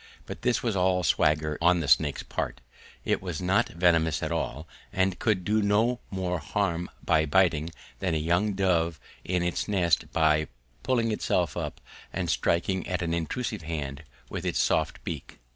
But this was all swagger on the snake's part: it was not venomous at all, and could do no more harm by biting than a young dove in its nest by puffing itself up and striking at an intrusive hand with its soft beak.